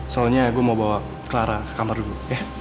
soalnya gue mau bawa clara ke kamar dulu ya